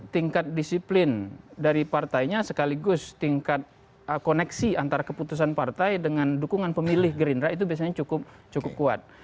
tingkat disiplin dari partainya sekaligus tingkat koneksi antara keputusan partai dengan dukungan pemilih gerindra itu biasanya cukup kuat